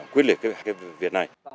quyết liệt cái việc này